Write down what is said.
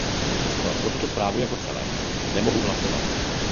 Přesto pro tuto zprávu jako celek nemohu hlasovat.